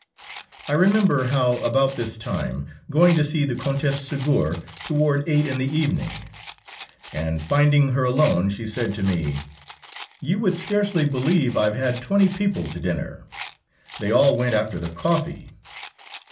I remember how, about this time, going to see the Countess Ségur toward eight in the evening, and finding her alone, she said to me: "You would scarcely believe I have had twenty people to dinner. They all went after the coffee."